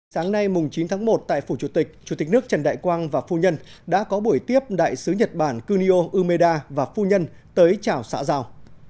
sáng nay chín tháng một tại phủ chủ tịch chủ tịch nước trần đại quang và phu nhân đã có buổi tiếp đại sứ nhật bản kunio umeda và phu nhân tới chào xã giao